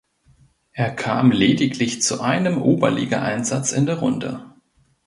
Er kam lediglich zu einem Oberligaeinsatz in der Runde.